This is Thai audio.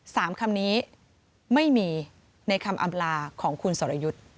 คำนี้ไม่มีในคำอำลาของคุณสรยุทธ์